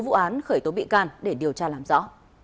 vụ án khởi tố bị can để điều tra làm rõ